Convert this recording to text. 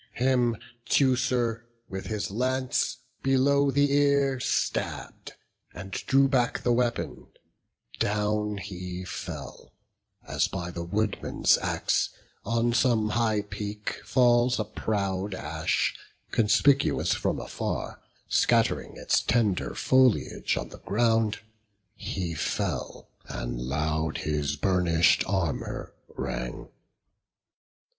Him Teucer with his lance below the ear Stabb'd, and drew back the weapon; down he fell, As by the woodman's axe, on some high peak, Falls a proud ash, conspicuous from afar, Scatt'ring its tender foliage on the ground; He fell; and loud his burnish'd armour rang.